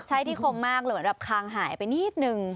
ใช้ที่คมมากหรือมันแบบคางหายไปนิดหนึ่ง